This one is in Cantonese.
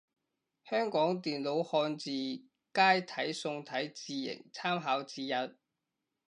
香港電腦漢字楷體宋體字形參考指引